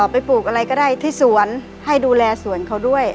ปลูกอะไรก็ได้ที่สวนให้ดูแลสวนเขาด้วย